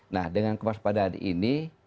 nah dengan kewaspadaan ini